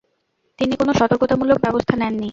তিনি কোন সতর্কতামূলক ব্যবস্থা নেননি।